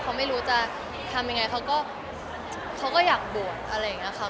เขาไม่รู้จะทำยังไงเขาก็เขาก็อยากบวชอะไรอย่างนี้ค่ะ